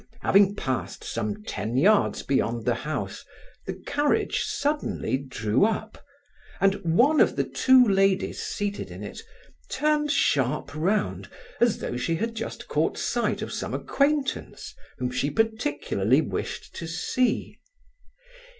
Having passed some ten yards beyond the house, the carriage suddenly drew up, and one of the two ladies seated in it turned sharp round as though she had just caught sight of some acquaintance whom she particularly wished to see.